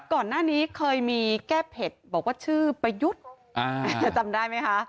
ก่อนหน้านี้เคยมีแก้เผ็ดบอกว่าชื่อประยุทธ์จะจำได้ไหมคะ